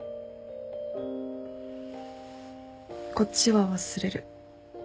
こっちは忘れる。